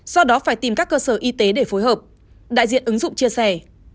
do đó phải tìm các cơ sở y tế để phối hợp đại diện ứng dụng chia sẻ